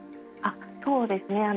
あっそうですね。